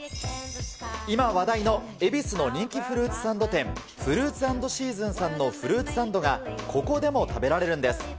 今話題の、恵比寿の人気フルーツサンド店、フルーツアンドシーズンさんのフルーツサンドが、ここでも食べられるんです。